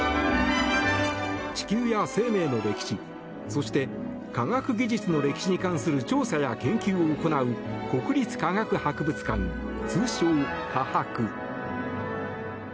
地球や生命の歴史そして科学技術の歴史に関する調査や研究を行う国立科学博物館通称・かはく。